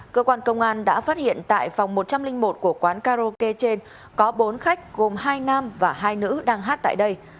cơ quan công an đã phát hiện tại phòng một trăm linh một của quán karaoke trên có bốn khách gồm hai nam và hai nữ đang hát tại đây